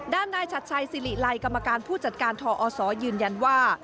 นายชัดชัยสิริไลกรรมการผู้จัดการทอศยืนยันว่า